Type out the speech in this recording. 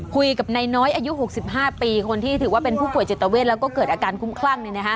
คุยกับนายน้อยอายุ๖๕ปีคนที่ถือว่าเป็นผู้ป่วยจิตเวทแล้วก็เกิดอาการคุ้มคลั่ง